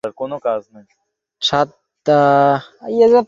চিত্তু পান্ডের নেতৃত্বে বেলিয়ার সার্বভৌম প্রজাতন্ত্র সাত দিন টিকে থাকতে পেরেছিল।